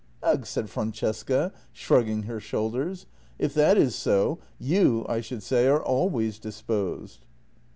" Ugh! " said Francesca, shrugging her shoulders. " If that is so, you, I should say, are always disposed."